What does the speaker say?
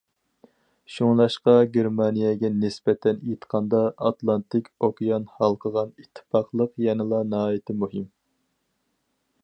شۇڭلاشقا گېرمانىيەگە نىسبەتەن ئېيتقاندا ئاتلانتىك ئوكيان ھالقىغان ئىتتىپاقلىق يەنىلا ناھايىتى مۇھىم.